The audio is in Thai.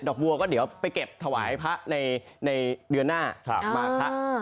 วัวก็เดี๋ยวไปเก็บถวายพระในเดือนหน้ามาพระ